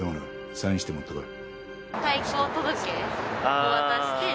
サインして持ってこい。